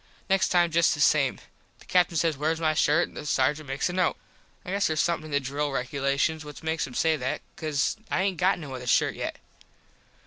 Next time just the same. The Captin says wheres my shirt an the sargent makes a note. I guess theres somethin in the drill regulations what makes him say that cause I aint got no other shirt yet.